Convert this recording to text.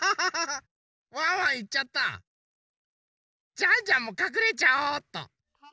ジャンジャンもかくれちゃおっと！